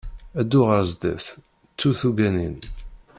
Ddu ɣer sdat, ttu tuggadin!